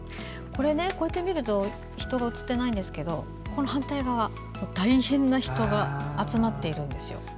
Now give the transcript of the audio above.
こうやって見ると人が写ってないんですけどこの反対側、大変な人が集まっているんですよ。